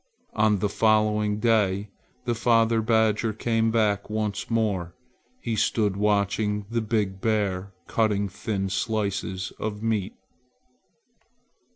On the following day the father badger came back once more. He stood watching the big bear cutting thin slices of meat.